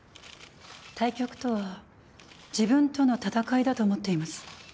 対局とは自分との戦いだと思っています。